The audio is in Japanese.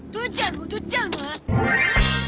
戻っちゃうの？